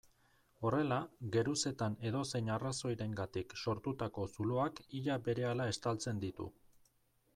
Horrela, geruzetan edozein arrazoirengatik sortutako zuloak ia berehala estaltzen ditu.